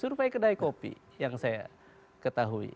survei kedai kopi yang saya ketahui